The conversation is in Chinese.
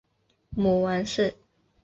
母王氏。